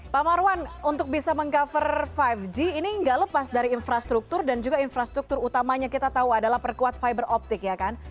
pak marwan untuk bisa meng cover lima g ini nggak lepas dari infrastruktur dan juga infrastruktur utamanya kita tahu adalah perkuat fiberoptik ya kan